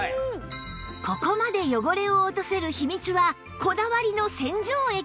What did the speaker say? ここまで汚れを落とせる秘密はこだわりの洗浄液に